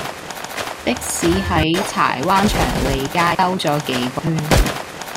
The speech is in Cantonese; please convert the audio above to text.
的士喺柴灣祥利街兜左幾個圈